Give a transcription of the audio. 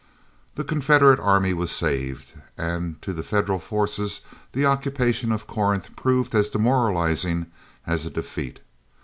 The Confederate army was saved, and to the Federal forces the occupation of Corinth proved as demoralizing as a defeat.